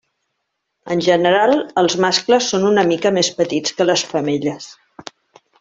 En general, els mascles són una mica més petits que les femelles.